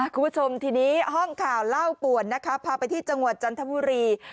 คุณผู้ชมทีนี้ห้องข่าวเล่าป่วนนะคะพาไปที่จังหวัดจันทบุรี